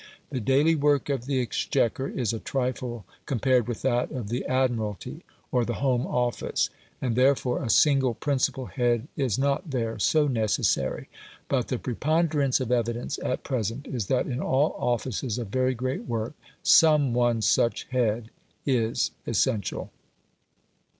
The daily work of the Exchequer is a trifle compared with that of the Admiralty or the Home Office, and therefore a single principal head is not there so necessary. But the preponderance of evidence at present is that in all offices of very great work some one such head is essential.